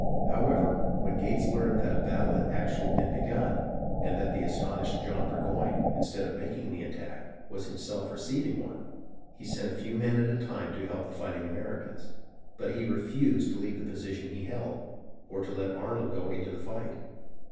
However, when Gates learned that a battle had actually been begun, and that the astonished John Burgoyne, instead of making the attack, was himself receiving one, he sent a few men at a time to help the fighting Americans ; but he refused to leave the position he held, or to let Arnold go into the fight.